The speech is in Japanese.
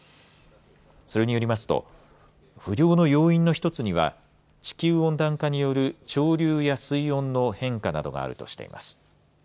それによりますと不漁の要因の１つには地球温暖化による潮流や水温の変化などがあるとしています。